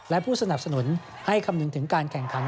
และผู้สนับสนุนให้คำนึงถึงการแข่งขัน